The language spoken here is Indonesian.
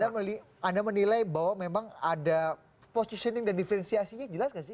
dan anda menilai bahwa memang ada positioning dan difrensiasinya jelas gak sih